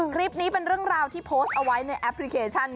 คลิปนี้เป็นเรื่องราวที่โพสต์เอาไว้ในแอปพลิเคชัน